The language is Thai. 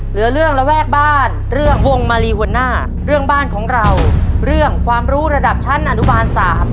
เหลือเรื่องระแวกบ้านเรื่องวงมาลีหัวหน้าเรื่องบ้านของเราเรื่องความรู้ระดับชั้นอนุบาล๓